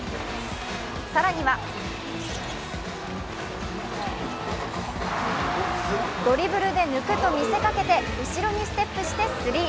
更にはドリブルで抜くと見せかけて後ろにステップしてスリー。